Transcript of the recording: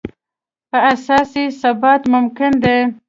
په اساس یې ثبات ممکن دی.